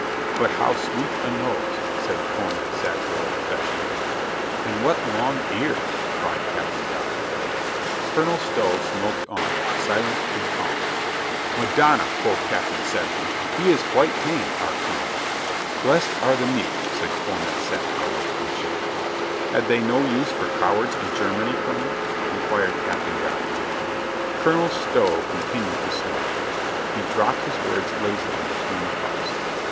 "But how sweet a nose," said Cornet Sackville af fectionately. "And what long ears," cried Captain Godfrey. Colonel Stow smoked on, silent and calm. "Madonna," quoth Captain Sedley, "he is quite tame, our colonel." INGEMINATING PEACE 153 "Blessed are the meek," said Cornet Sackville with unction. "Had they no use for cowards in Germany, Colo nel?" inquired Captain Godfrey. Colonel Stow continued to smoke. He dropped his words lazily between puffs.